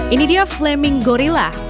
ini dia flaming gorilla